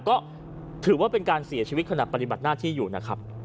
ก็ถือว่าเป็นการเสียชีวิตขณะปฏิบัติหน้าที่อยู่นะครับ